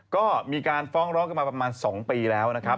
ก็มีการฟ้องร้องกันมาประมาณ๒ปีแล้วนะครับ